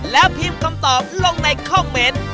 แล้วพิมพ์คำตอบลงในคอมเมนต์